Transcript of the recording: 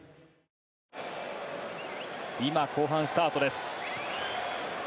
今、後半スタートです。